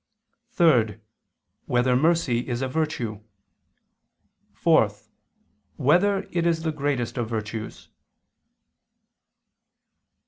(3) Whether mercy is a virtue? (4) Whether it is the greatest of virtues?